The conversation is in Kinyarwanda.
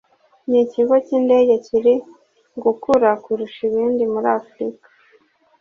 n’ikigo cy’indege kiri gukura kurusha ibindi muri Afurika